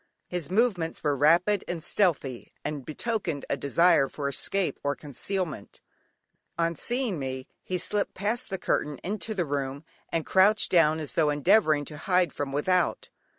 His movements were rapid and stealthy, and betokened a desire for escape or concealment. On seeing me he slipped past the curtain into the room, and crouched down, as tho' endeavouring to hide himself from without.